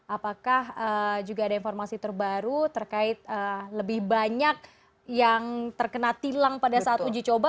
apakah juga ada informasi terbaru terkait lebih banyak yang terkena tilang pada saat uji coba